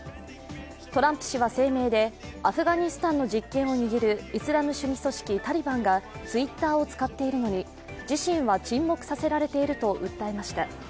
トランプ氏は声明で、アフガニスタンの実権を握るイスラム主義組織タリバンがＴｗｉｔｔｅｒを使っているのに自身は沈黙させられていると訴えました。